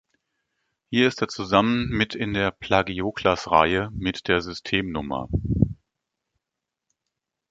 Hier ist er zusammen mit in der „Plagioklas-Reihe“ mit der System-Nr.